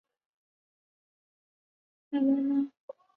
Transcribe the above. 薛岳是知名艺人伍佰年轻时的偶像。